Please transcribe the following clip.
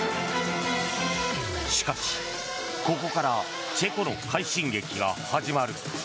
しかし、ここからチェコの快進撃が始まる。